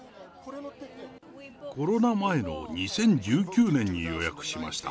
コロナ前の２０１９年に予約しました。